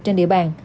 trên địa bàn